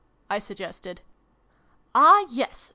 " I suggested. "Ah, yes!